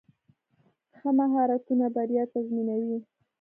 ښه مهارتونه بریا تضمینوي.